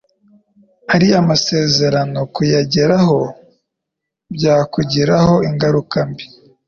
Ariya masezerano kuyarengaho byakugiraho ingaruka mbi.